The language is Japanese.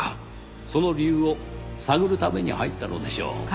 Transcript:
その理由を探るために入ったのでしょう。